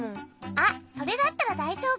あっそれだったらだいじょうぶ。